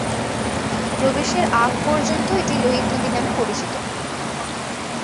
প্রবেশের আগ পর্যন্ত এটি লোহিত নদী নামে পরিচিত।